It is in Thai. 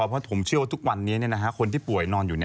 เพราะผมเชื่อว่าทุกวันนี้คนที่ป่วยนอนอยู่